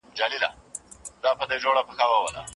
دې پردۍ زړې کیږدۍ ته بې سرپوښه لوی جهان ته